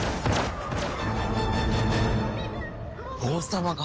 王様が！